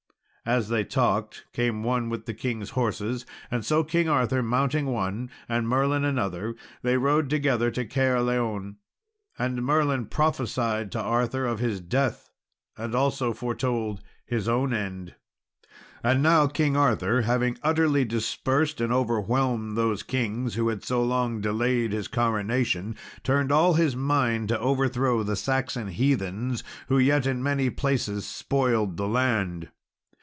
As they talked came one with the king's horses, and so, King Arthur mounting one, and Merlin another, they rode together to Caerleon; and Merlin prophesied to Arthur of his death, and also foretold his own end. And now King Arthur, having utterly dispersed and overwhelmed those kings who had so long delayed his coronation, turned all his mind to overthrow the Saxon heathens who yet in many places spoiled the land.